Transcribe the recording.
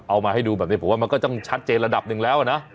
เอามาให้ดูแบบนี้ผมว่ามันก็ต้องชัดเจนระดับหนึ่งแล้วนะ